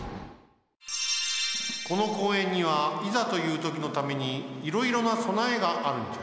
この公園にはいざというときのためにいろいろなそなえがあるんじゃ。